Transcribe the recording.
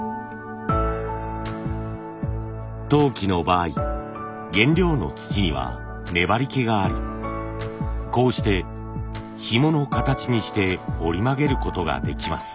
陶器の場合原料の土には粘りけがありこうしてひもの形にして折り曲げることができます。